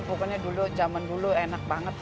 pokoknya dulu zaman dulu enak banget